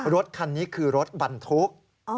รถคันนี้คือรถบรรทุก